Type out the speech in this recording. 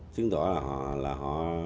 chứng tỏ là họ